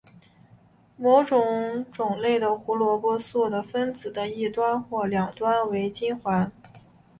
某些种类的胡萝卜素的分子的一端或两端为烃环。